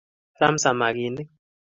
ram samakinik